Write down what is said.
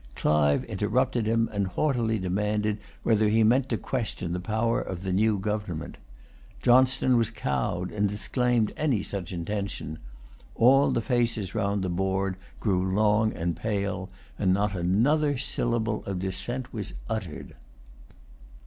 Clive interrupted him, and haughtily demanded whether he meant to question the power of the new government. Johnstone was cowed, and disclaimed any such intention. All the faces round the board grew long and pale; and not another syllable of dissent was uttered.